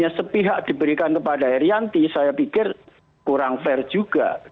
kalau tidak diberikan kepada heriantik saya pikir kurang fair juga